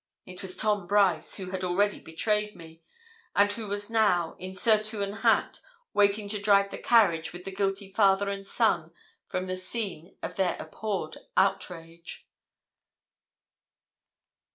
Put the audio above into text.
It was Tom Brice, who had already betrayed me, and who was now, in surtout and hat, waiting to drive the carriage with the guilty father and son from the scene of their abhorred outrage.